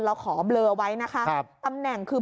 เราขอเบลอไว้นะคะตำแหน่งคือ